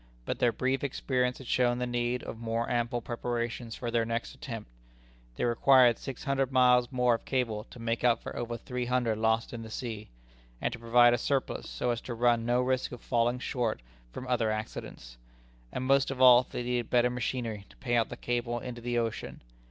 But their brief experience had shown the need of more ample preparations for their next attempt. They required six hundred miles more of cable to make up for over three hundred lost in the sea, and to provide a surplus so as to run no risk of falling short from other accidents; and most of all they needed better machinery to pay out the cable into the ocean.